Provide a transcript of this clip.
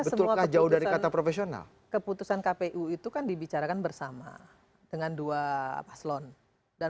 semua jauh dari kata profesional keputusan kpu itu kan dibicarakan bersama dengan dua paslon dan